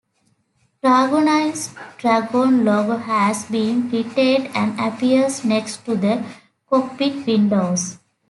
Dragonair's Dragon logo has been retained and appears next to the cockpit windows.